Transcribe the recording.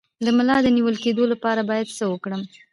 د ملا د نیول کیدو لپاره باید څه وکړم؟